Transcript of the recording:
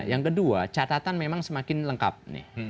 yang kedua catatan memang semakin lengkap nih